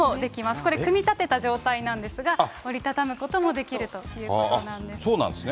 これは組み立てた状態なんですが、折り畳むこともできるということそうなんですね。